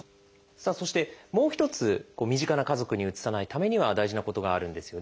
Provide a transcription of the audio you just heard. さあそしてもう一つ身近な家族にうつさないためには大事なことがあるんですよね。